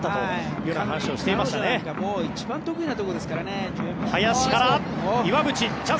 彼女なんか一番得意なところですからね。